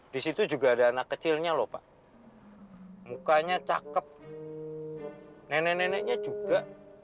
di situ juga ada anak kecilnya lho pak mukanya cakep nenek neneknya juga